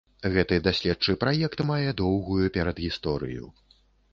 Гэты даследчы праект мае доўгую перадгісторыю.